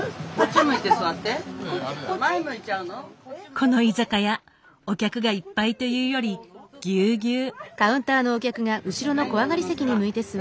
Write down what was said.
この居酒屋お客がいっぱいというよりぎゅうぎゅう。